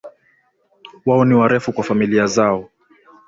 Wao ni warefu kwa familia yao